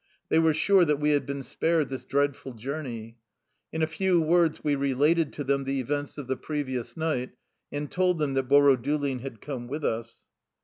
They were sure that we had been spared this dreadful jour ney. In a few words we related to them the events of the previous night, and told them that Borodulin had come with us.